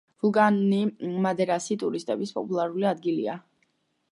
ვულკანი მადერასი ტურისტების პოპულარული ადგილია.